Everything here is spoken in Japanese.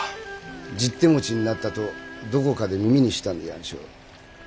十手持ちになったとどこかで耳にしたんでやんしょう。